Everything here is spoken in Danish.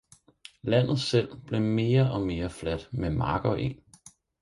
landet selv blev mere og mere fladt med mark og eng.